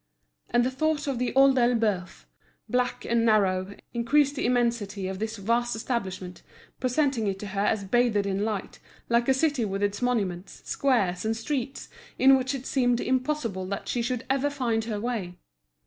And the thought of The Old Elbeuf, black and narrow, increased the immensity of this vast establishment, presenting it to her as bathed in light, like a city with its monuments, squares, and streets, in which it seemed impossible that she should ever find her way.